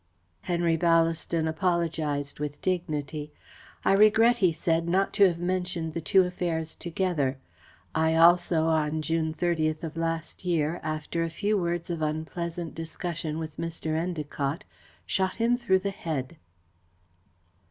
Henry Ballaston apologised with dignity. "I regret," he said, "not to have mentioned the two affairs together. I, also, on June 30th of last year, after a few words of unpleasant discussion with Mr. Endacott, shot him through the head."